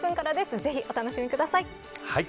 ぜひ、お楽しみください。